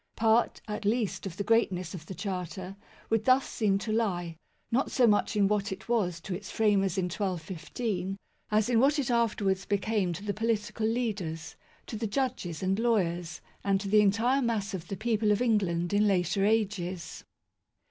Part, at least, of the greatness of the Charter would thus seem to lie, not so much in what it was to its framers in 1215, as in what it afterwards became to the political leaders, to the judges and lawyers, and to the entire mass of the people of England in later ages.